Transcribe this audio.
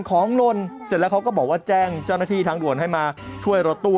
ของลนเสร็จแล้วเขาก็บอกว่าแจ้งเจ้าหน้าที่ทางด่วนให้มาช่วยรถตู้